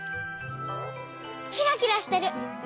キラキラしてる。